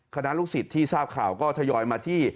คณะลูกศิษย์ที่ทราบข่าวก็ทยอยมาที่